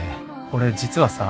俺実はさ。